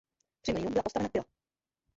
Při mlýnu byla postavena pila.